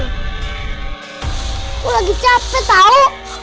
aku lagi capek tau